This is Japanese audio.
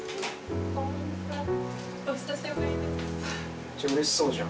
お久しぶりです。